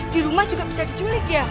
di rumah juga bisa diculik ya